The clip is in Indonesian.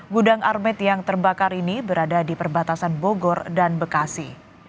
gudang armet yang terbakar ini berada di perbatasan bogor dan bekasi